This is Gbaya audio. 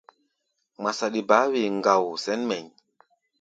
Ŋma saɗi baá wee ŋgao sɛ̌n mɛʼí̧.